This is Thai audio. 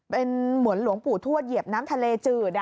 เป็นเหมือนหลวงปู่ทวดเหยียบน้ำทะเลจืด